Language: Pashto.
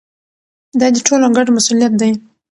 دا د ټولو ګډ مسؤلیت دی.